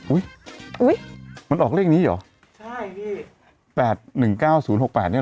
อุ้ยอุ้ยมันออกเลขนี้เหรอใช่พี่แปดหนึ่งเก้าศูนย์หกแปดเนี้ยเห